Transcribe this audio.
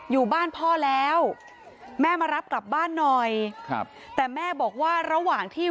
อยู่บ้านพ่อแล้วแม่มารับกลับบ้านหน่อยครับแต่แม่บอกว่าระหว่างที่